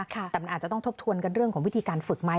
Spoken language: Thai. แต่ส่วนตัวน้องพี่ว่าอืมแม่เป็นไรลูกไหว